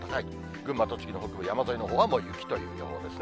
群馬、栃木の北部、山沿いではもう雪という予報ですね。